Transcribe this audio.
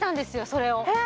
それをえ！